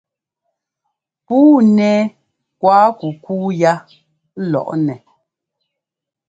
Puu nɛ́ kuákukú yá lɔʼnɛ.